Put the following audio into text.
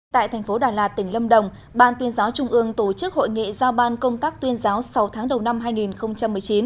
tại thành phố đà lạt tỉnh lâm đồng ban tuyên giáo trung ương tổ chức hội nghị giao ban công tác tuyên giáo sáu tháng đầu năm hai nghìn một mươi chín